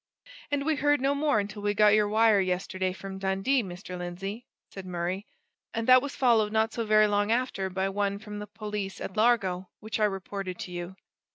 "And we heard no more until we got your wire yesterday from Dundee, Mr. Lindsey," said Murray; "and that was followed not so very long after by one from the police at Largo, which I reported to you."